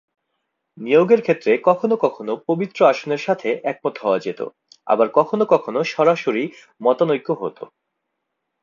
নিয়োগের ক্ষেত্রে কখনও কখনও পবিত্র আসনের সাথে একমত হওয়া যেত, আবার কখনও কখনও সরাসরি মতানৈক্য হত।